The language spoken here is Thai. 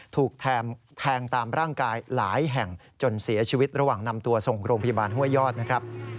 ถูกแทงตามร่างกายหลายแห่งจนเสียชีวิตระหว่างนำตัวส่งโรงพยาบาลห้วยยอดนะครับ